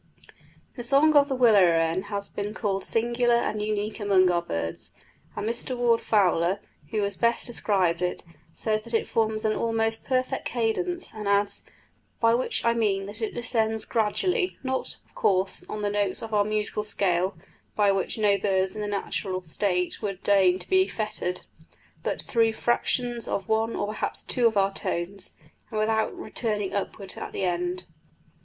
The song of the willow wren has been called singular and unique among our birds; and Mr Warde Fowler, who has best described it, says that it forms an almost perfect cadence, and adds, "by which I mean that it descends gradually, not, of course, on the notes of our musical scale, by which no birds in their natural state would deign to be fettered, but through fractions of one or perhaps two of our tones, and without returning upward at the end."